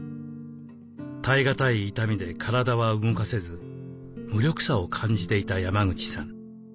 耐えがたい痛みで体は動かせず無力さを感じていた山口さん。